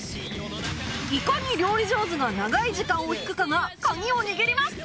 いかに料理上手が長い時間を引くかが鍵を握ります